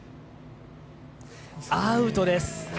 アウトです。